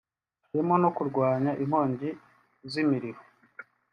harimo no kurwanya inkongi z’imiriro